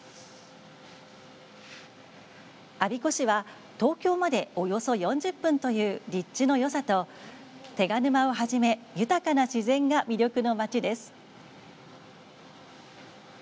我孫子市は東京駅までおよそ４０分という立地のよさと手賀沼をはじめ豊かな自然が魅力の街です。